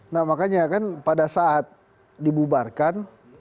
nah makanya kan pada saat dibubarkan